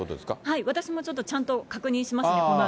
私もちょっとちゃんと確認しますけど。